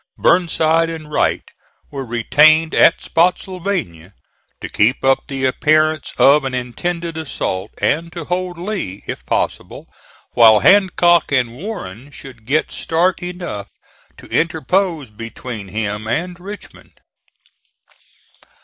Burnside and Wright were retained at Spottsylvania to keep up the appearance of an intended assault, and to hold Lee, if possible, while Hancock and Warren should get start enough to interpose between him and Richmond.